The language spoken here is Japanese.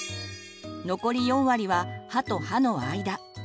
残り４割は歯と歯の間。